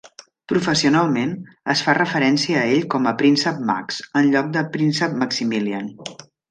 Professionalment, es fa referència à ell com a Príncep Max, enlloc de Príncep Maximilian.